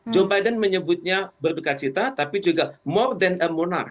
joe biden menyebutnya berdekat cita tapi juga more than a monarch